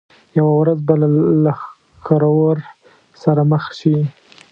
یوه ورځ به له ښکرور سره مخ شي.